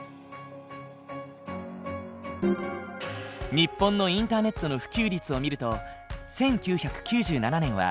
日本のインターネットの普及率を見ると１９９７年は９．２％だった。